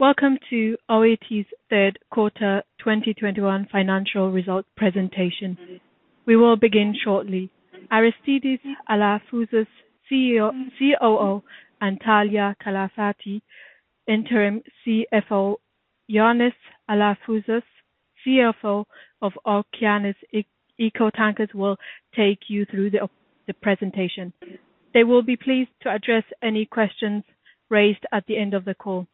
Welcome to OET's Q3 2021 financial results presentation. We will begin shortly. Aristidis Alafouzos, COO, and Thalia Kalafati, interim CFO, Ioannis Alafouzos, CEO of Okeanis Eco Tankers, will take you through the presentation. They will be pleased to address any questions raised at the end of the call.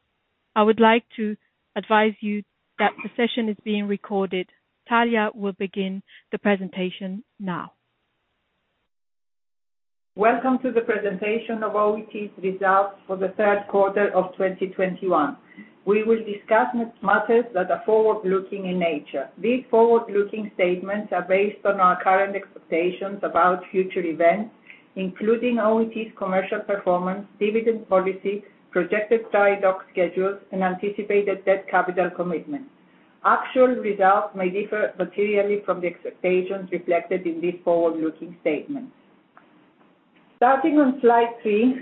I would like to advise you that the session is being recorded. Thalia Kalafati will begin the presentation now. Welcome to the presentation of OET's results for the third quarter of 2021. We will discuss matters that are forward-looking in nature. These forward-looking statements are based on our current expectations about future events, including OET's commercial performance, dividend policy, projected dry dock schedules, and anticipated debt capital commitment. Actual results may differ materially from the expectations reflected in these forward-looking statements. Starting on slide three,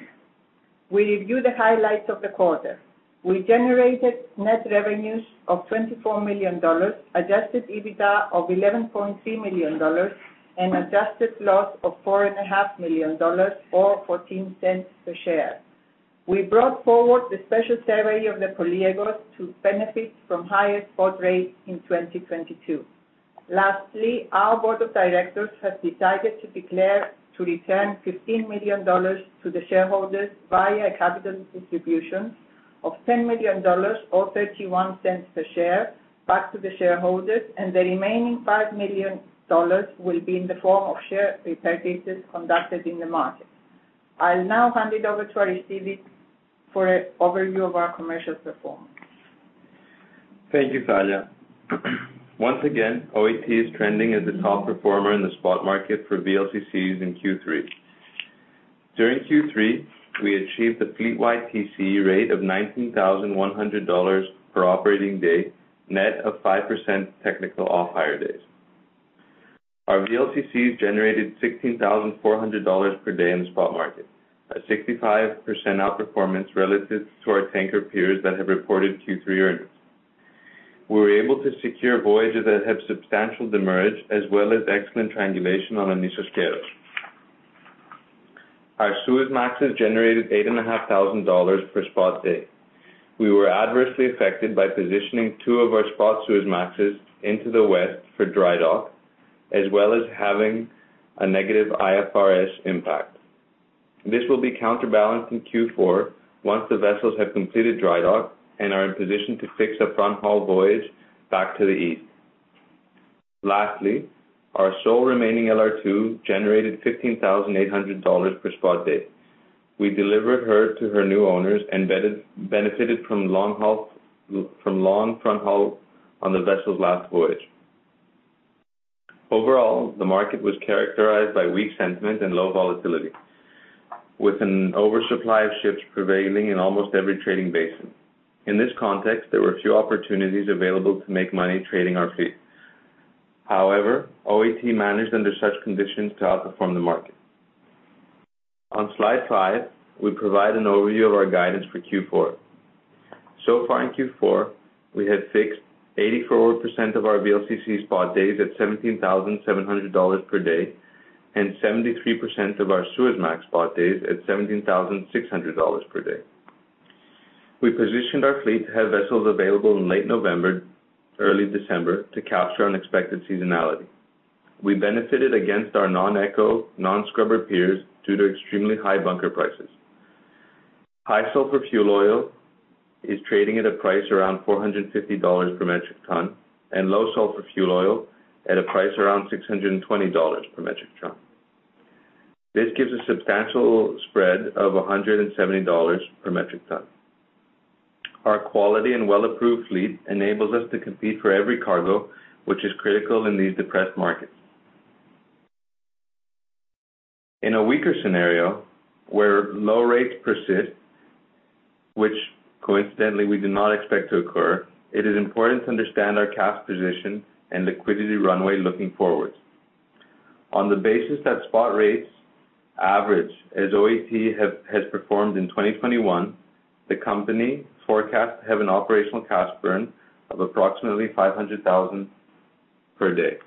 we review the highlights of the quarter. We generated net revenues of $24 million, adjusted EBITDA of $11.3 million, and adjusted loss of $4,5 million or $0.14 per share. We brought forward the special survey of the Poliegos to benefit from higher spot rates in 2022. Lastly, our board of directors has decided to declare to return $15 million to the shareholders via a capital distribution of $10 million or $0.31 per share back to the shareholders, and the remaining $5 million will be in the form of share repurchases conducted in the market. I'll now hand it over to Aristidis for an overview of our commercial performance. Thank you, Thalia. Once again, OET is trending as a top performer in the spot market for VLCCs in Q3. During Q3, we achieved a fleet-wide TCE rate of $19,100 per operating day, net of 5% technical off-hire days. Our VLCCs generated $16,400 per day in the spot market, a 65% outperformance relative to our tanker peers that have reported Q3 earnings. We were able to secure voyages that have substantial demurrage as well as excellent triangulation on the Nissos Kea. Our Suezmaxes generated $8,500 per spot day. We were adversely affected by positioning two of our spot Suezmaxes into the West for dry dock, as well as having a negative IFRS impact. This will be counterbalanced in Q4 once the vessels have completed dry dock and are in position to fix a front haul voyage back to the east. Lastly, our sole remaining LR2 generated $15,800 per spot day. We delivered her to her new owners and benefited from long front haul on the vessel's last voyage. Overall, the market was characterized by weak sentiment and low volatility, with an oversupply of ships prevailing in almost every trading basin. In this context, there were few opportunities available to make money trading our fleet. However, OET managed under such conditions to outperform the market. On slide five, we provide an overview of our guidance for Q4. So far in Q4, we have fixed 84% of our VLCC spot days at $17,700 per day and 73% of our Suezmax spot days at $17,600 per day. We positioned our fleet to have vessels available in late November, early December to capture unexpected seasonality. We benefited against our non-eco, non-scrubber peers due to extremely high bunker prices. High sulfur fuel oil is trading at a price around $450 per metric ton and low sulfur fuel oil at a price around $620 per metric ton. This gives a substantial spread of $170 per metric ton. Our quality and well-approved fleet enables us to compete for every cargo, which is critical in these depressed markets. In a weaker scenario where low rates persist, which coincidentally we do not expect to occur, it is important to understand our cash position and liquidity runway looking forward. On the basis that spot rates average, as OET has performed in 2021, the company forecasts to have an operational cash burn of approximately $500,000 per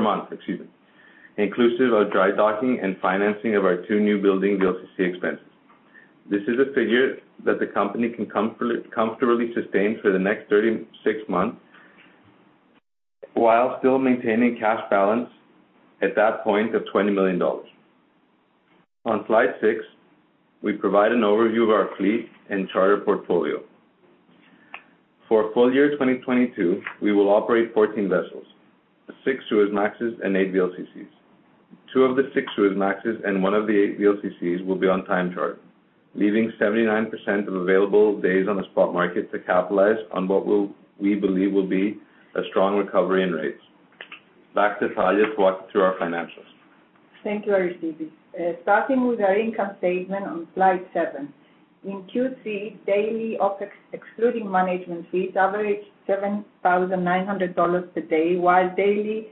month, excuse me, inclusive of dry docking and financing of our two new building VLCC expenses. This is a figure that the company can comfortably sustain for the next 36 months, while still maintaining cash balance at that point of $20 million. On slide six, we provide an overview of our fleet and charter portfolio. For full year 2022, we will operate 14 vessels, six Suezmaxes and eight VLCCs. Two of the six Suezmaxes and one of the eight VLCCs will be on time charter, leaving 79% of available days on the spot market to capitalize on what will, we believe, will be a strong recovery in rates. Back to Thalia to walk through our financials. Thank you, Aristidis. Starting with our income statement on slide seven. In Q3, daily OpEx excluding management fees averaged $7,900 per day, while daily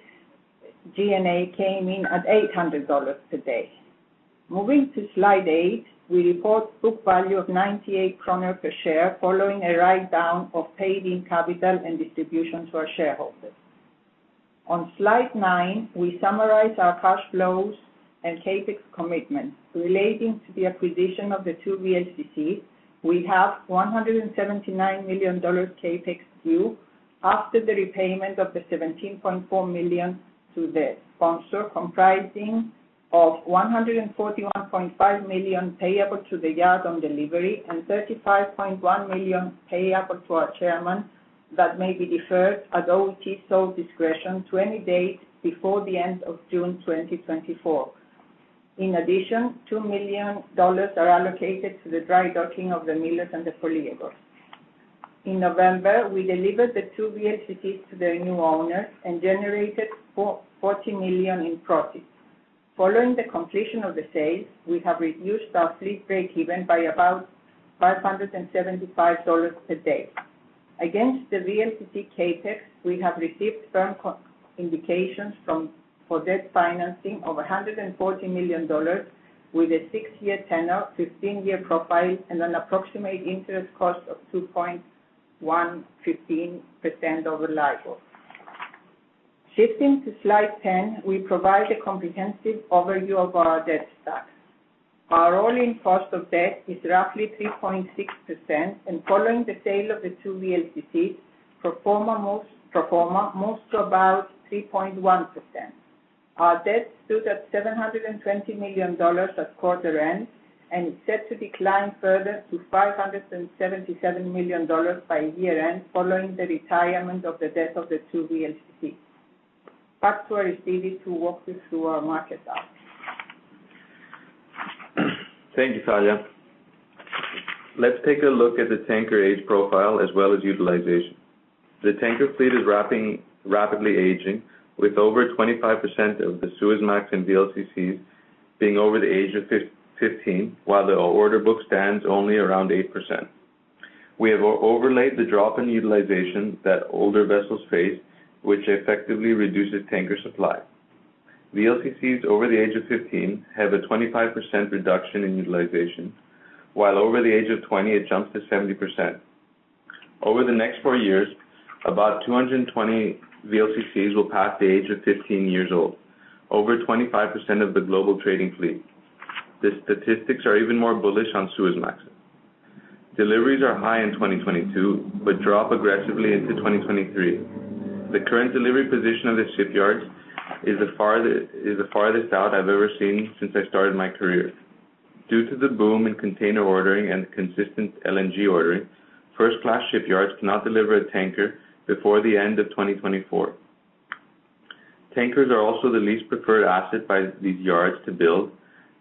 G&A came in at $800 per day. Moving to slide eight, we report book value of 98 kroner per share following a write down of paid in capital and distribution to our shareholders. On slide nine, we summarize our cash flows and CapEx commitments relating to the acquisition of the two VLCC. We have $179 million CapEx due after the repayment of the $17.4 million to the sponsor, comprising of $141.5 million payable to the yard on delivery, and $35.1 million payable to our chairman that may be deferred at OET sole discretion to any date before the end of June 2024. In addition, $2 million are allocated to the dry docking of the Milos and the Poliegos. In November, we delivered the two VLCCs to their new owners and generated $40 million in profits. Following the completion of the sale, we have reduced our fleet break-even by about $575 per day. Against the VLCC CapEx, we have received firm indications from four debt financing of $140 million with a six year tenure, 15-year profile and an approximate interest cost of 2.115% of LIBOR. Shifting to slide 10, we provide a comprehensive overview of our debt stack. Our all-in cost of debt is roughly 3.6%, and following the sale of the two VLCCs, pro forma moves to about 3.1%. Our debt stood at $720 million at quarter end, and is set to decline further to $577 million by year-end, following the retirement of the debt of the two VLCCs. Back to Aristidis to walk you through our market outlook. Thank you, Thalia. Let's take a look at the tanker age profile as well as utilization. The tanker fleet is rapidly aging with over 25% of the Suezmax and VLCCs being over the age of 15, while the order book stands only around 8%. We have overlaid the drop in utilization that older vessels face, which effectively reduces tanker supply. VLCCs over the age of 15 have a 25% reduction in utilization, while over the age of 20 it jumps to 70%. Over the next four years, about 220 VLCCs will pass the age of 15 years old, over 25% of the global trading fleet. The statistics are even more bullish on Suezmax. Deliveries are high in 2022, but drop aggressively into 2023. The current delivery position of the shipyards is the farthest out I've ever seen since I started my career. Due to the boom in container ordering and consistent LNG ordering, first class shipyards cannot deliver a tanker before the end of 2024. Tankers are also the least preferred asset by these yards to build,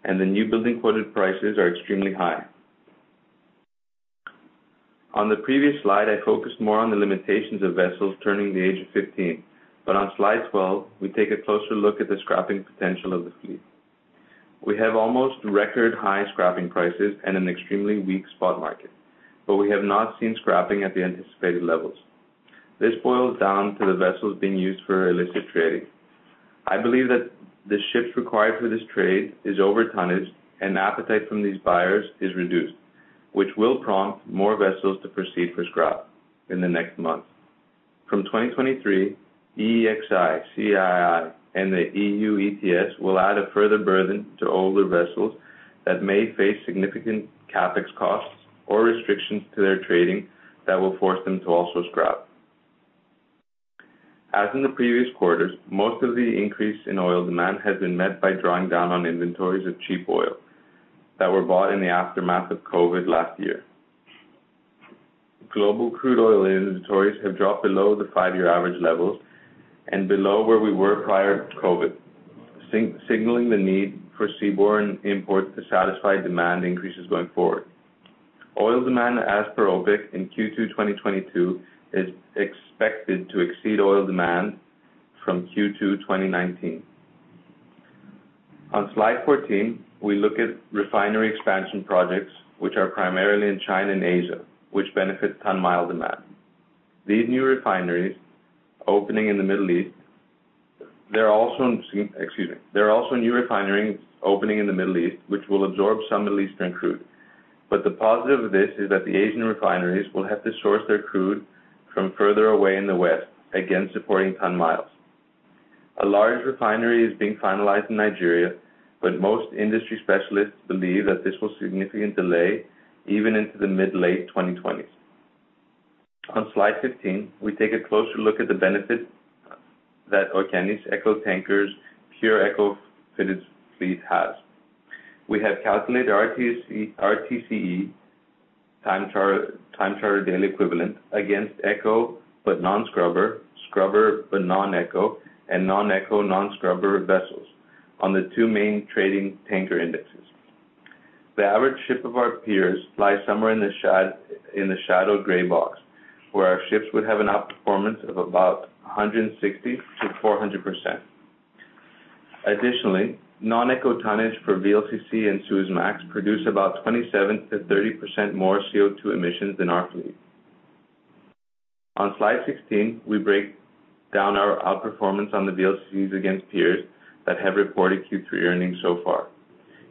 and the new building quoted prices are extremely high. On the previous slide, I focused more on the limitations of vessels turning the age of 15. On slide 12, we take a closer look at the scrapping potential of the fleet. We have almost record high scrapping prices and an extremely weak spot market, but we have not seen scrapping at the anticipated levels. This boils down to the vessels being used for illicit trading. I believe that the ships required for this trade is over tonnage and appetite from these buyers is reduced, which will prompt more vessels to proceed for scrap in the next month. From 2023, EEXI, CII, and the EU ETS will add a further burden to older vessels that may face significant CapEx costs or restrictions to their trading that will force them to also scrap. As in the previous quarters, most of the increase in oil demand has been met by drawing down on inventories of cheap oil that were bought in the aftermath of COVID last year. Global crude oil inventories have dropped below the five year average levels and below where we were prior to COVID, signaling the need for seaborne imports to satisfy demand increases going forward. Oil demand as per OPEC in Q2 2022 is expected to exceed oil demand from Q2 2019. On slide 14, we look at refinery expansion projects, which are primarily in China and Asia, which benefit ton-mile demand. These new refineries opening in the Middle East, which will absorb some Middle Eastern crude. The positive of this is that the Asian refineries will have to source their crude from further away in the West, again, supporting ton-miles. A large refinery is being finalized in Nigeria, but most industry specialists believe that this will significantly delay even into the mid-late 2020s. On slide 15, we take a closer look at the benefits that Okeanis Eco Tankers pure eco-fitted fleet has. We have calculated RTCE time charter daily equivalent against eco but non-scrubber, scrubber but non-eco, and non-eco non-scrubber vessels on the two main trading tanker indexes. The average ship of our peers lies somewhere in the shaded gray box, where our ships would have an outperformance of about 160%-400%. Additionally, non-eco tonnage for VLCC and Suezmax produce about 27%-30% more CO2 emissions than our fleet. On slide 16, we break down our outperformance on the VLCCs against peers that have reported Q3 earnings so far.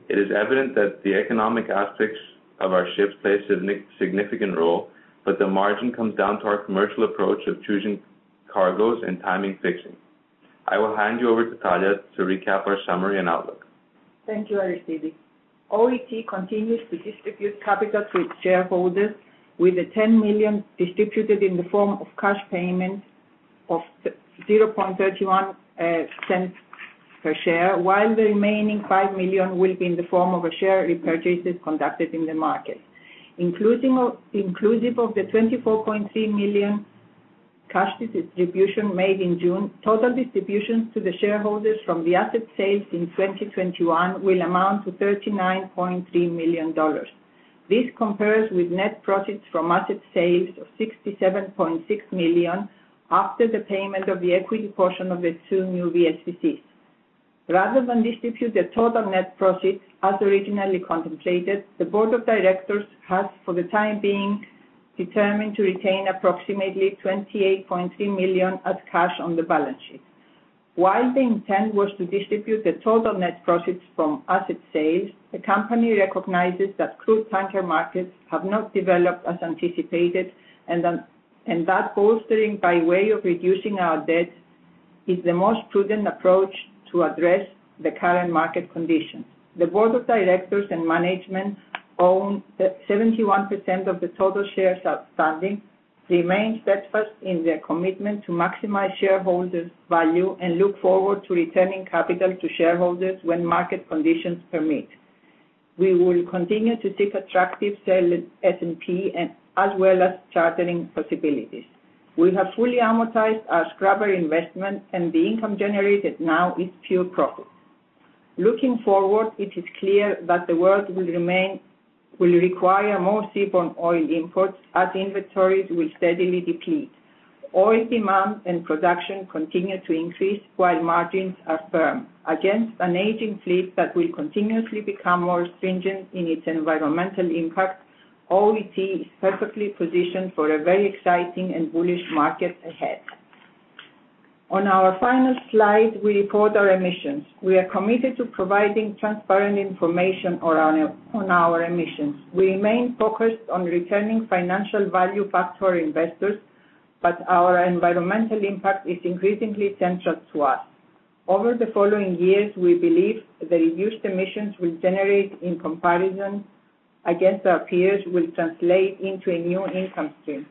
It is evident that the economic aspects of our ships play a significant role, but the margin comes down to our commercial approach of choosing cargoes and timing fixings. I will hand you over to Thalia to recap our summary and outlook. Thank you, Aristidis. OET continues to distribute capital to its shareholders with the $10 million distributed in the form of cash payments of $0.31 per share, while the remaining $5 million will be in the form of share repurchases conducted in the market. Inclusive of the $24.3 million cash distribution made in June, total distributions to the shareholders from the asset sales in 2021 will amount to $39.3 million. This compares with net profits from asset sales of $67.6 million after the payment of the equity portion of the two new VLCCs. Rather than distribute the total net profits as originally contemplated, the board of directors has, for the time being, determined to retain approximately $28.3 million as cash on the balance sheet. While the intent was to distribute the total net profits from asset sales, the company recognizes that crude tanker markets have not developed as anticipated and that bolstering by way of reducing our debt is the most prudent approach to address the current market conditions. The board of directors and management own 71% of the total shares outstanding remain steadfast in their commitment to maximize shareholders value and look forward to returning capital to shareholders when market conditions permit. We will continue to seek attractive sale S&P and as well as chartering possibilities. We have fully amortized our scrubber investment and the income generated now is pure profit. Looking forward, it is clear that the world will require more seaborne oil imports as inventories will steadily deplete. Oil demand and production continue to increase while margins are firm. Against an aging fleet that will continuously become more stringent in its environmental impact, OET is perfectly positioned for a very exciting and bullish market ahead. On our final slide, we report our emissions. We are committed to providing transparent information on our emissions. We remain focused on returning financial value back to our investors, but our environmental impact is increasingly central to us. Over the following years, we believe the reduced emissions we generate in comparison against our peers will translate into a new income stream.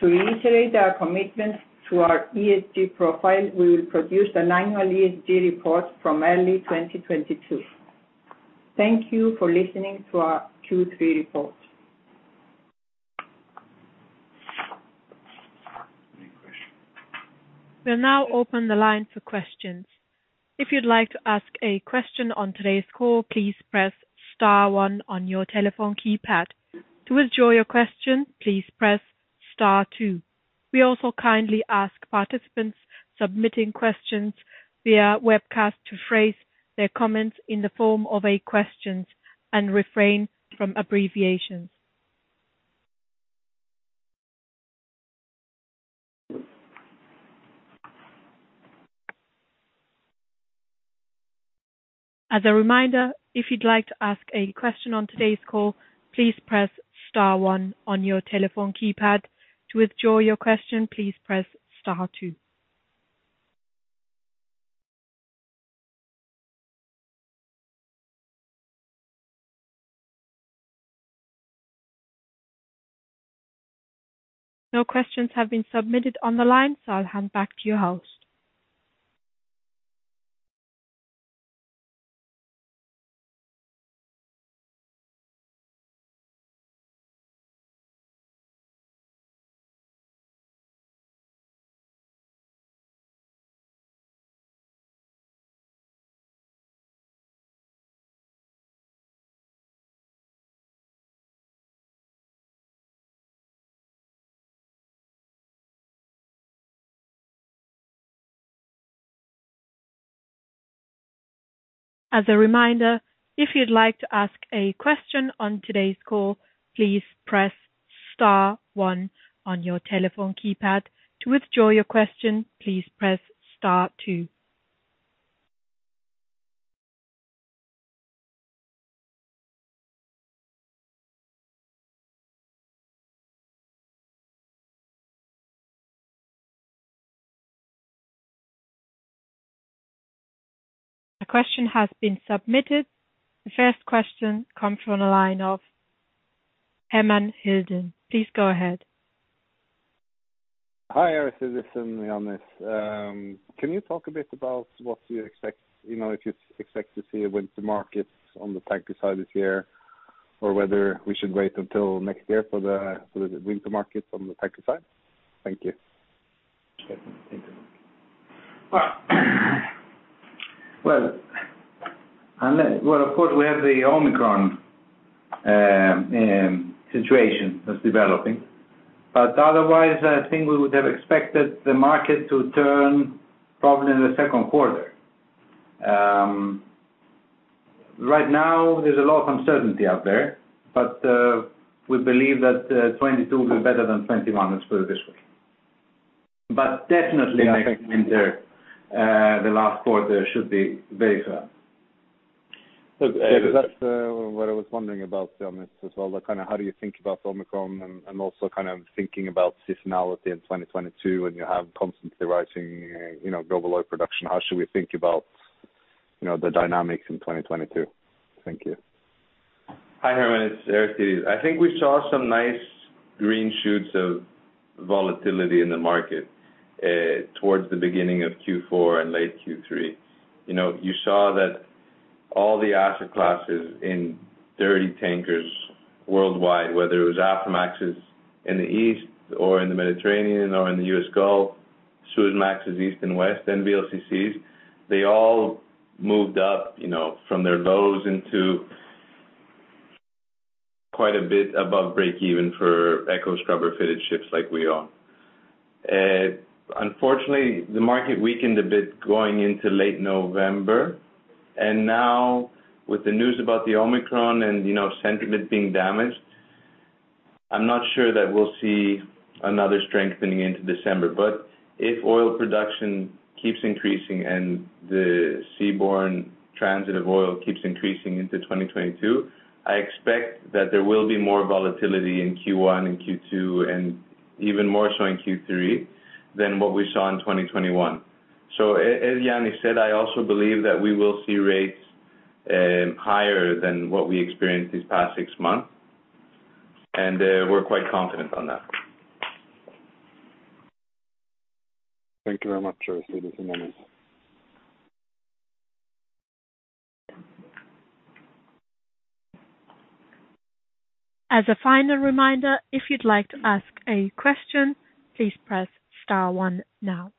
To reiterate our commitment to our ESG profile, we will produce an annual ESG report from early 2022. Thank you for listening to our Q3 report. We'll now open the line for questions. If you'd like to ask a question on today's call, please press star one on your telephone keypad. To withdraw your question, please press star two. We also kindly ask participants submitting questions via webcast to phrase their comments in the form of a question and refrain from abbreviations. As a reminder, if you'd like to ask a question on today's call, please press star one on your telephone keypad. To withdraw your question, please press star two. No questions have been submitted on the line, so I'll hand back to your host. As a reminder, if you'd like to ask a question on today's call, please press star one on your telephone keypad. To withdraw your question, please press star two. A question has been submitted. The first question comes from the line of Herman Hildan. Please go ahead. Hi, Aristidis and Ioannis. Can you talk a bit about what you expect, you know, if you expect to see winter markets on the tanker side this year or whether we should wait until next year for the winter market on the tanker side? Thank you. Sure thing. Thank you. Well, of course, we have the Omicron situation that's developing, but otherwise I think we would have expected the market to turn probably in the second quarter. Right now, there's a lot of uncertainty out there, but we believe that 2022 will be better than 2021. Let's put it this way. Definitely next winter, the last quarter should be very strong. Look, that's what I was wondering about, Ioannis, as well. Kind of how do you think about Omicron and also kind of thinking about seasonality in 2022, and you have constantly rising, you know, global oil production. How should we think about, you know, the dynamics in 2022? Thank you. Hi, Herman, it's Aristidis. I think we saw some nice green shoots of volatility in the market, towards the beginning of Q4 and late Q3. You know, you saw that all the asset classes in dirty tankers worldwide, whether it was Aframaxes in the East or in the Mediterranean or in the U.S. Gulf, Suezmaxes East and West, and VLCCs, they all moved up, you know, from their lows into quite a bit above break even for eco scrubber-fitted ships like we own. Unfortunately, the market weakened a bit going into late November. Now with the news about the Omicron and, you know, sentiment being damaged, I'm not sure that we'll see another strengthening into December. If oil production keeps increasing and the seaborne transit of oil keeps increasing into 2022, I expect that there will be more volatility in Q1 and Q2 and even more so in Q3 than what we saw in 2021. As Ioannis said, I also believe that we will see rates higher than what we experienced these past six months, and we're quite confident on that. Thank you very much, Aristidis and Ioannis. As a final reminder, if you'd like to ask a question, please press star one now.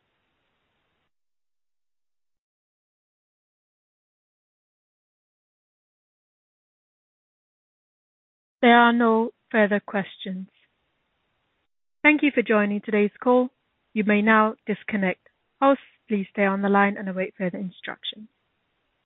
There are no further questions. Thank you for joining today's call. You may now disconnect. Host, please stay on the line and await further instructions.